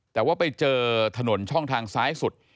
แต่ว่าไปเจอถนนช่องทางซ้ายสุด